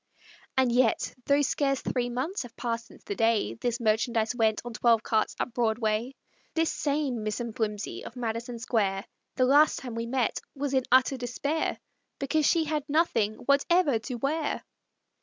And yet, though scarce three months have passed since the day This merchandise went, on twelve carts, up Broadway, This same Miss M'Flimsey of Madison Square, The last time we met was in utter despair, Because she had nothing whatever to wear!